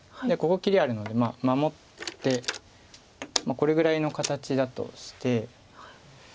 ここ切りあるので守ってまあこれぐらいの形だとして。